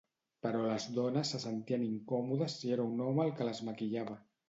Però les dones se sentien incòmodes si era un home el que les maquillava.